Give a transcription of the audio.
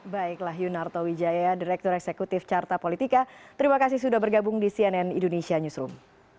baiklah yunarto wijaya direktur eksekutif carta politika terima kasih sudah bergabung di cnn indonesia newsroom